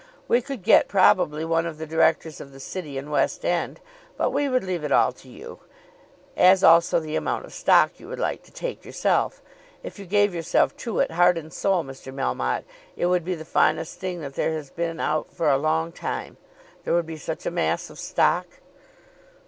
We could get probably one of the Directors of the City and West End. But we would leave it all to you, as also the amount of stock you would like to take yourself. If you gave yourself to it, heart and soul, Mr. Melmotte, it would be the finest thing that there has been out for a long time. There would be such a mass of stock!"